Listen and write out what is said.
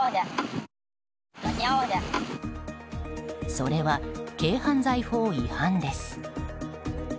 それは軽犯罪法違反です。